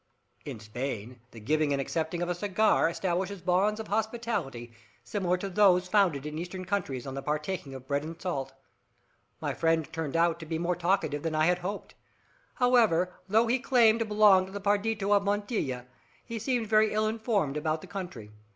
In Spain the giving and accepting of a cigar establishes bonds of hospitality similar to those founded in Eastern countries on the partaking of bread and salt. My friend turned out more talkative than I had hoped. However, though he claimed to belong to the partido of Montilla, he seemed very ill informed about the country.